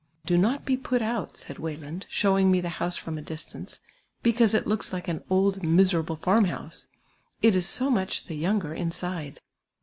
"■ Do not be put out," said Weyland, showing me the house from a distance, " because it looks like an old miserable farm house, it is so much the younger inside."